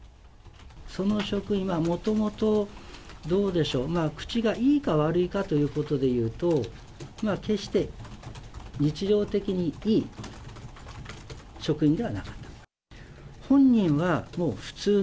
その職員はもともと、どうでしょう、口がいいか悪いかということでいうと、決して日常的にいい職員ではなかった。